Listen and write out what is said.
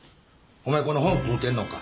お前この本食うてんのか。